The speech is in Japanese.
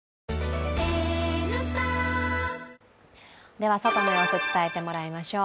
では外の様子、伝えてもらいましょう。